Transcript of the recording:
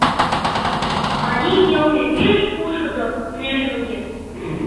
Марий йылме пеш пушкыдо, ныжылге.